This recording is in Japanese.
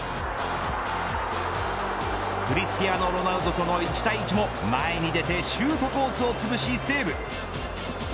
クリスティアーノ・ロナウドとの一対一も前に出てシュートコースを潰しセーブ。